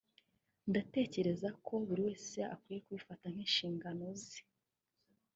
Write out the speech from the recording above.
Ndatekereza ko buri wese akwiye kubifata nk’inshingano ze